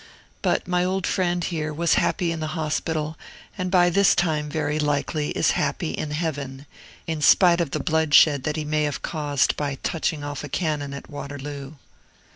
But my old friend here was happy in the hospital, and by this time, very likely, is happy in heaven, in spite of the bloodshed that he may have caused by touching off a cannon at Waterloo.